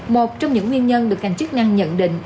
một trong những nguyên nhân được hành chức ngăn nhận định